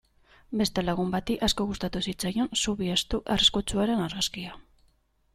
Beste lagun bati asko gustatu zitzaion zubi estu arriskutsuaren argazkia.